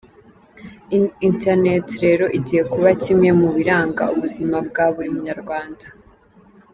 Internet rero igiye kuba kimwe mu biranga ubuzima bwa buri munyarwanda.